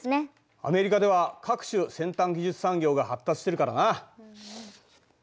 アメリカでは各種先端技術産業が発達してるからな。